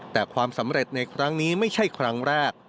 แต่ความสำเร็จในครั้งนี้ไม่ใช่ครั้งแรก